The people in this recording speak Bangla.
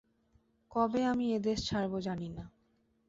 কবে আমি এদেশ ছাড়ব জানি না।